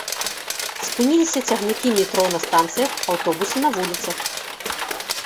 Спыніліся цягнікі метро на станцыях, аўтобусы на вуліцах.